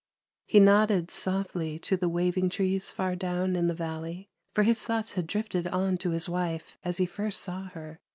He nodded softly to the waving trees far down in the valley, for his thoughts had drifted on to his wife as he first saw her.